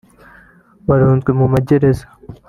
barunzwe mu magereza